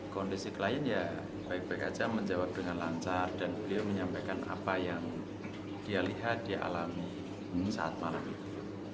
kondisi klien ya baik baik saja menjawab dengan lancar dan beliau menyampaikan apa yang dia lihat dia alami saat malam itu